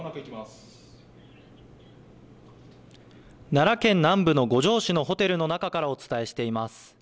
奈良県南部の五條市のホテルの中からお伝えしています。